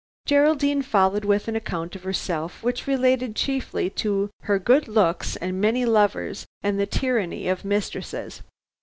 Geraldine followed with an account of herself, which related chiefly to her good looks and many lovers, and the tyranny of mistresses.